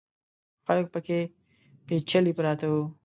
خلک پکې پېچلي پراته ول.